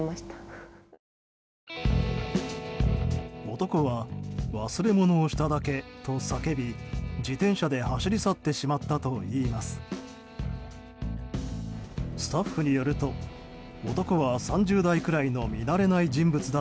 男は忘れ物をしただけと叫び自転車で走り去ってしまったといいます。